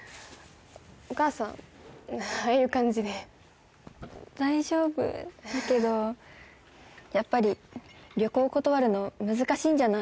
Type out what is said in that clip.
お母さんああいう感じで大丈夫だけどやっぱり旅行断るの難しいんじゃない？